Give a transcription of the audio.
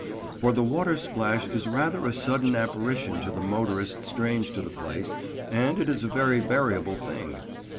For the watersplash is rather a sudden apparition to the motorist strange to the place, and it is a very variable thing.